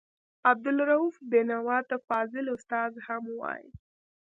عبدالرؤف بېنوا ته فاضل استاد هم وايي.